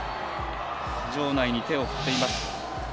場内に手を振っています。